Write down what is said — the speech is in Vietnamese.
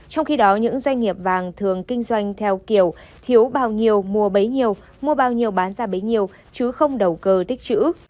trong khi đó những doanh nghiệp vàng thường kinh doanh theo kiểu thiếu bao nhiêu mua bấy nhiêu mua bao nhiêu bán ra bấy nhiêu chứ không đầu cơ tích chữ